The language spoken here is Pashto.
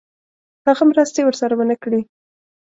هغه مرستې ورسره ونه کړې.